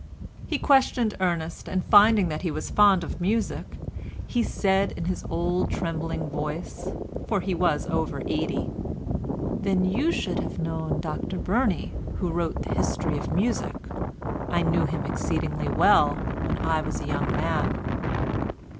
He questioned Ernest, and finding that he was fond of music, he said in his old trembling voice (for he was over eighty), "Then you should have known Dr Burney who wrote the history of music. I knew him exceedingly well when I was a young man."